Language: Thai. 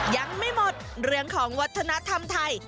ยังไม่หมดเรื่องของวัฒนธรรมไทย